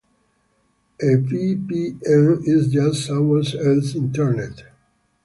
A V-P-N is just someone else's internet.